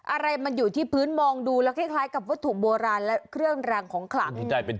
อะไรมันอยู่ที่พื้นมองดูแล้วคล้ายกับวัตถุโบราณและเครื่องรางของขลัง